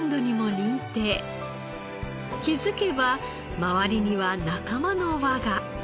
気づけば周りには仲間の輪が。